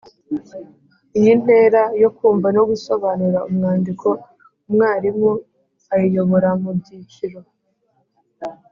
Iyi ntera yo kumva no gusobanura umwandiko, umwarimu ayiyobora mu byiciro